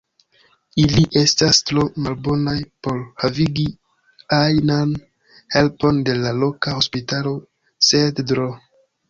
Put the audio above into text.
Ili estas tro malbonaj por havigi ajnan helpon de la loka hospitalo, sed Dro.